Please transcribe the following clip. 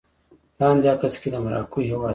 لاندې عکس کې د مراکو هېواد دی